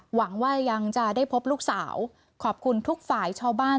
หวังว่ายังจะได้พบลูกสาวขอบคุณทุกฝ่ายชาวบ้าน